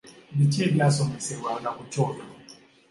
Biki ebyasomesebwanga ku kyoto?